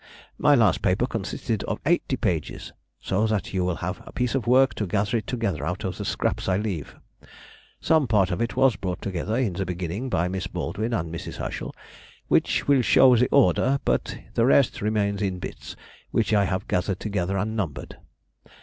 My last paper consisted of eighty pages, so that you will have a piece of work to gather it together out of the scraps I leave. Some part of it was brought together in the beginning by Miss Baldwin and Mrs. Herschel which will show the order, but the rest remains in bits, which I have gathered together and numbered....